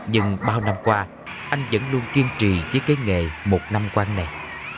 nhưng bao năm qua anh vẫn luôn kiên trì với cái nghề một nam quang này